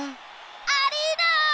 アリーナ！